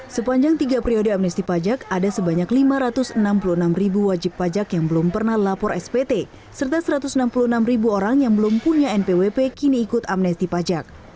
sepanjang tiga periode amnesti pajak ada sebanyak lima ratus enam puluh enam ribu wajib pajak yang belum pernah lapor spt serta satu ratus enam puluh enam ribu orang yang belum punya npwp kini ikut amnesti pajak